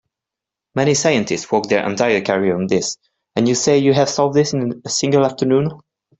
Many scientists work their entire careers on this, and you say you have solved this in a single afternoon?